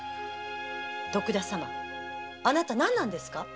徳田様あなた何なのですか